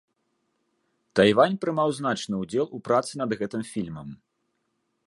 Тайвань прымаў значны ўдзел у працы над гэтым фільмам.